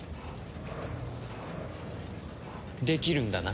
できるんだな？